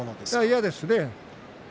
嫌ですよね。